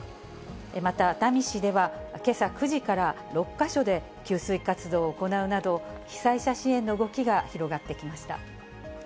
また熱海市では、けさ９時から６か所で給水活動を行うなど、被災者支援の動きが広がってきました。